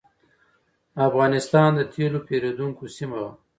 افغانستان د تېلو پېرودونکو سیمه وه.